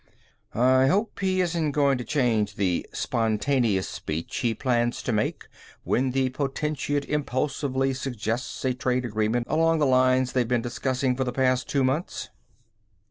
"I hope he isn't going to change the spontaneous speech he plans to make when the Potentate impulsively suggests a trade agreement along the lines they've been discussing for the last two months."